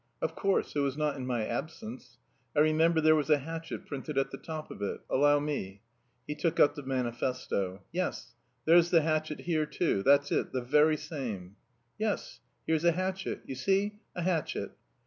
"Of course, it was not in my absence. I remember there was a hatchet printed at the top of it. Allow me." (He took up the manifesto.) "Yes, there's the hatchet here too; that's it, the very same." "Yes, here's a hatchet. You see, a hatchet."